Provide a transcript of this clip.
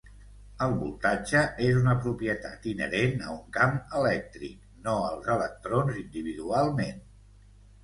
El voltatge és una propietat inherent a un camp elèctric, no als electrons individualment.